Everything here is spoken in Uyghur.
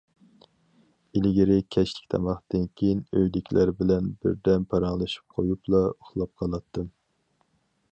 ئىلگىرى كەچلىك تاماقتىن كېيىن ئۆيدىكىلەر بىلەن بىر دەم پاراڭلىشىپ قويۇپلا ئۇخلاپ قالاتتىم.